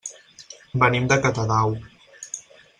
Venim de Catadau.